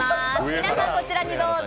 皆さん、こちらにどうぞ。